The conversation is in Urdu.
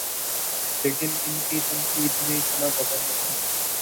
لیکن ان کی تنقید میں اتنا وزن نہیں۔